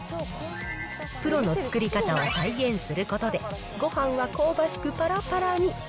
プロの作り方を再現することで、ごはんは香ばしくぱらぱらに。